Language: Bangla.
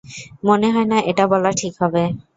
মনে হয় না, এটা বলা ঠিক হবে।